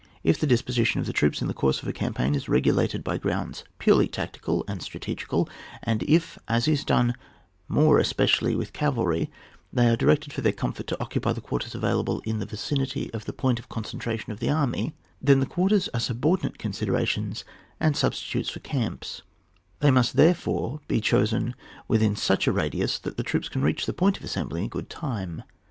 If the disposition of the troops in the course of a campaign is regulated by grounds purely tactical and strategical, and if, as is done more espe cially with cavaliy, they are directed for their comfort to occupy the quarters available in the vicinity of the point of concentration of the army, then the quar ters are subordinate considerations and substitutes for camps ; they must, there fore, be chosen within such a radius that the troops can reach the point of assembly in good time.